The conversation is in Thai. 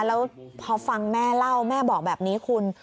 แล้วพอฟังแม่เล่าแม่บอกแบบนี้คุณ